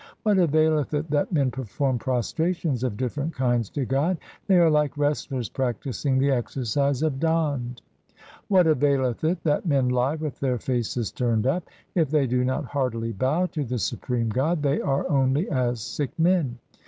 What availeth it that men perform prostrations of different kinds to God ? they are like wrestlers practising the exercise of dand. 3 What availeth it that men lie with their faces turned up ? If they do not heartily bow to the supreme God, they are only as sick men.